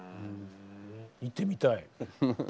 行ってみたい。